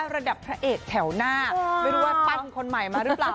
ระดับพระเอกแถวหน้าไม่รู้ว่าปั้นคนใหม่มาหรือเปล่า